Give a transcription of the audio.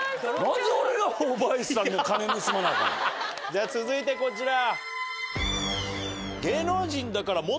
じゃ続いてこちら。